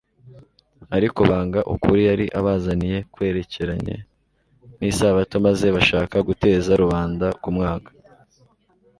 Ariko banga ukuri yari abazaniye kwerekeranye n'isabato maze bashaka guteza rubanda kumwanga,